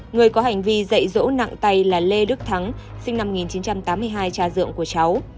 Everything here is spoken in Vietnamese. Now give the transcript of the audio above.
người có hành vi dạy dỗ nặng tay là lê đức thắng sinh năm một nghìn chín trăm tám mươi hai cha ruột của cháu